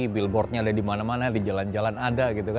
billboardnya ada di mana mana di jalan jalan ada gitu kan